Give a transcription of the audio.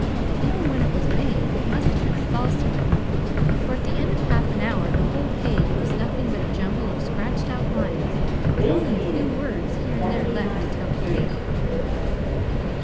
Even when it was made, it must have been a false one, for at the end of half an hour the whole page was nothing but a jumble of scratched out lines, with only a few words here and there left to tell the tale.